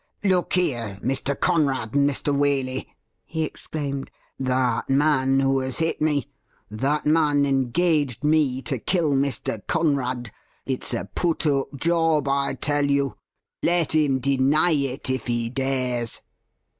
' Look here, Mr. Conrad and Mr. Waley,' he exclaimed, ' that man who has hit me — ^that man engaged me to kill Mr. Conrad ! It's a put up job, I tell you. Let him deny it if he dares.'